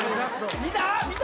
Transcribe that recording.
見た？